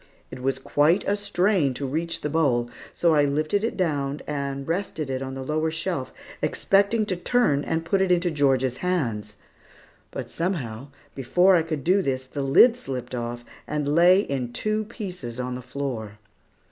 It was quite a strain to reach the bowl, so I lifted it down and rested it on the lower shelf, expecting to turn and put it into Georgia's hands. But, somehow, before I could do this, the lid slipped off and lay in two pieces upon the floor.